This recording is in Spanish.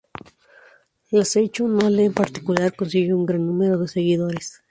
La Seicho-No-Ie en particular, consiguió gran número de seguidores.